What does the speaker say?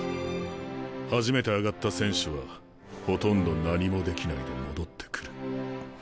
初めて上がった選手はほとんど何もできないで戻ってくる。